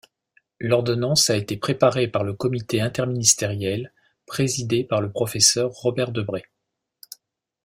L'ordonnance a été préparée par le Comité interministériel présidée par le professeur Robert Debré.